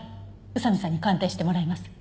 宇佐見さんに鑑定してもらいます。